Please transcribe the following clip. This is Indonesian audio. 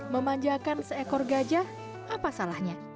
memanjakan seekor gajah apa salahnya